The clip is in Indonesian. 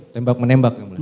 tembak menembak yang boleh